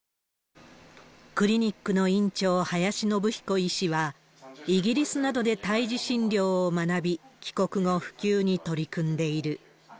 クリニックの院長、林伸彦医師は、イギリスなどで胎児診療を学び、帰国後、普及に取り組んでいる。